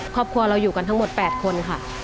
ครอบครัวเราอยู่กันทั้งหมด๘คนค่ะ